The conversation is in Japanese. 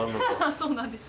そうなんですよ。